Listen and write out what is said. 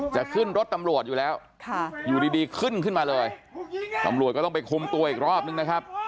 จะขึ้นรถตำรวจอยู่แล้วอยู่ดีขึ้นขึ้นมาเลยตำรวจก็ต้องไปคุมตัวอีกรอบนึงนะครับ